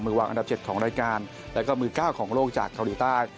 มือวางอันดับเจ็ดของรายการแล้วก็มือเก้าของโลกจากเฮาส์ดีตา